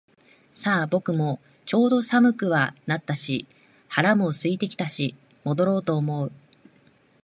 さあ、僕もちょうど寒くはなったし腹は空いてきたし戻ろうと思う